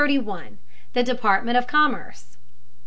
THE DEPARTMENT OF COMMERCE.